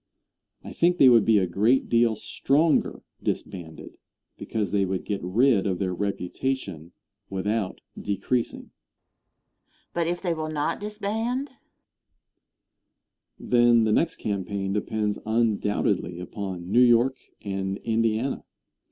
I think they would be a great deal stronger disbanded, because they would get rid of their reputation without decreasing. Question. But if they will not disband? Answer. Then the next campaign depends undoubtedly upon New York and Indiana.